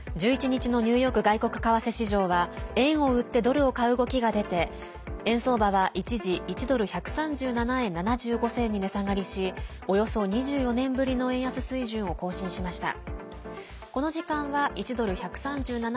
１１日のニューヨーク外国為替市場は円を売ってドルを買う動きが出て円相場は一時１ドル＝１３７円７５銭に値下がりしおよそ２４年ぶりの円安水準を更新しました。